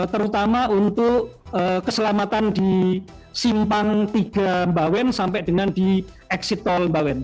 terutama untuk keselamatan di simpang tiga mba wen sampai dengan di exit toll mba wen